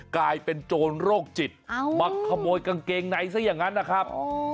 กลายเป็นโจรโรคจิตมาขโมยกางเกงในซะอย่างนั้นนะครับ